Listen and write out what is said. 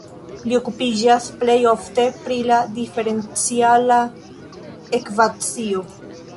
Li okupiĝas plej ofte pri la diferenciala ekvacio.